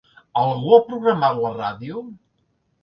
Algú ha programat la ràdio?